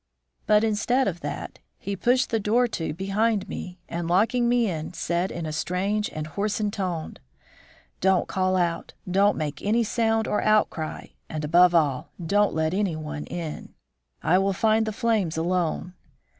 But instead of that, he pushed the door to behind me, and locking me in, said, in a strange and hoarsened tone? "Don't call out, don't make any sound or outcry, and above all, don't let any one in; I will fight the flames alone!"